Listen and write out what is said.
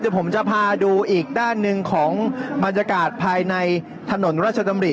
เดี๋ยวผมจะพาดูอีกด้านหนึ่งของบรรยากาศภายในถนนราชดำริ